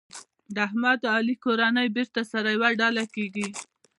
د احمد او علي کورنۍ بېرته سره یوه ډله کېږي.